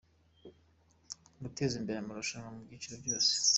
Guteza imbere amarushanwa mu byiciro byose.